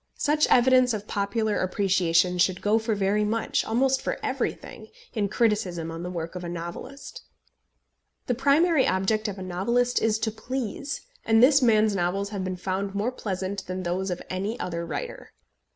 Such evidence of popular appreciation should go for very much, almost for everything, in criticism on the work of a novelist. The primary object of a novelist is to please; and this man's novels have been found more pleasant than those of any other writer.